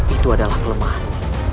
itu adalah kelemahan